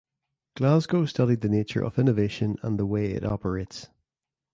Glasgow studied the nature of innovation and the way it operates.